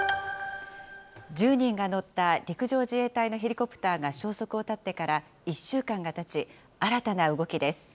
１０人が乗った陸上自衛隊のヘリコプターが消息を絶ってから１週間がたち、新たな動きです。